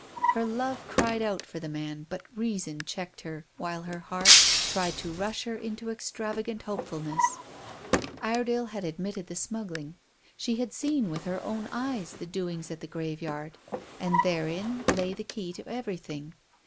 Her love cried out for the man, but reason checked her while her heart tried to rush her into extravagant hopefulness. Iredale had admitted the smuggling. She had seen with her own eyes the doings at the graveyard. And therein lay the key to everything.